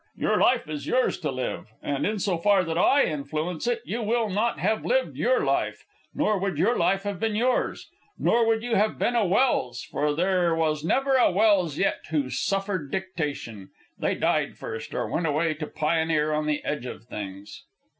Your life is yours to live, and in so far that I influence it you will not have lived your life, nor would your life have been yours. Nor would you have been a Welse, for there was never a Welse yet who suffered dictation. They died first, or went away to pioneer on the edge of things.